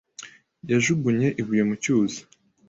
yajugunye ibuye mu cyuzi.